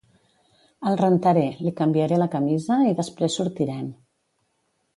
El rentaré, li canviaré la camisa i després sortirem.